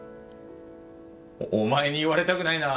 お前に言われたくないな。